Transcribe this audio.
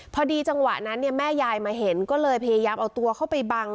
พอดีจังหวะนั้นเนี่ยแม่ยายมาเห็นก็เลยพยายามเอาตัวเข้าไปบัง